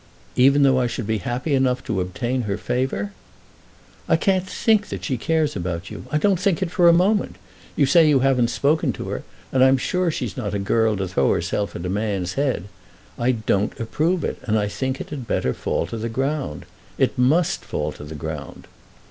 "Even though I should be happy enough to obtain her favour?" "I can't think that she cares about you. I don't think it for a moment. You say you haven't spoken to her, and I am sure she's not a girl to throw herself at a man's head. I don't approve it, and I think it had better fall to the ground. It must fall to the ground."